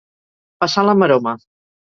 Passar la maroma.